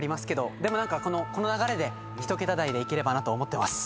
でも何かこの流れで１桁台でいければなと思ってます。